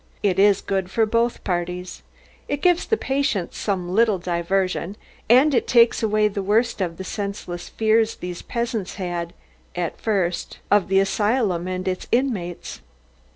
It is good for both parties. It gives the patients some little diversion, and it takes away the worst of the senseless fear these peasants had at first of the asylum and its inmates.